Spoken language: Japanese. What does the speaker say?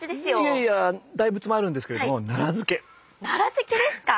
いやいや大仏もあるんですけれども奈良漬けですか？